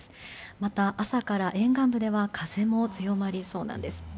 また、朝から沿岸部では風も強まりそうなんです。